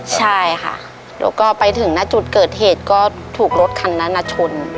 ใช่ค่ะแล้วก็ไปถึงณจุดเกิดเหตุก็ถูกรถคันนั้นชน